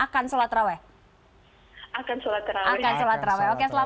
akan sholat raweh oke selamat menjalankan ibu puasa